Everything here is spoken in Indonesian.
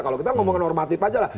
kalau kita ngomongin normatif aja lah